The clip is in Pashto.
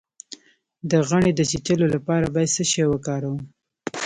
د غڼې د چیچلو لپاره باید څه شی وکاروم؟